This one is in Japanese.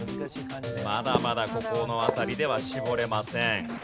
まだまだここの辺りでは絞れません。